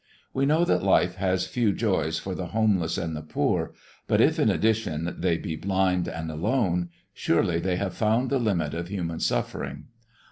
We know that life has few joys for the homeless and the poor, but if in addition they be blind and alone, surely they have found the limit of human suffering.